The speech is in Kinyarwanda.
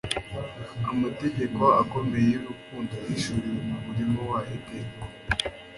Amategeko akomeye y'urukundo yahishuriwe mu murima wa Edeni;